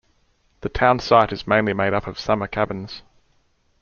The townsite is mainly made up of summer cabins.